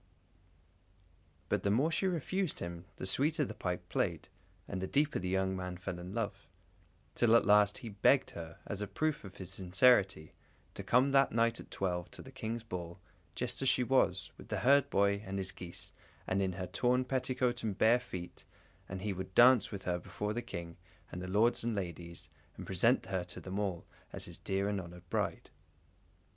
But the more she refused him the sweeter the pipe played, and the deeper the young man fell in love; till at last he begged her, as a proof of his sincerity, to come that night at twelve to the King's ball, just as she was, with the herdboy and his geese, and in her torn petticoat and bare feet, and he would dance with her before the King and the lords and ladies, and present her to them all, as his dear and honoured bride.